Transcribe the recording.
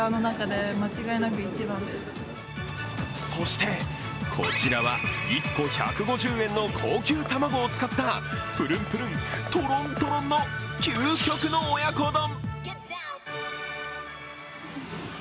そして、こちらは１個１５０円の高級卵を使ったプルンプルン、トロントロンの究極の親子丼！